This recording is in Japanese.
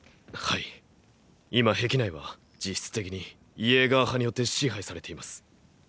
はい今壁内は実質的にイェーガー派によって支配されています。